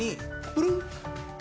プルン。